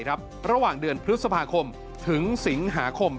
ระหว่างเดือนพฤษภาคมถึงสิงหาคม